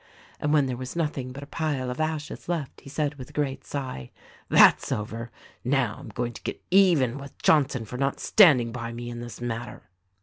And when there was nothing but a pile of ashes left he said with a great sigh, "That's over ! Now, I am going to get even with Johnson for not standing by me in this matter."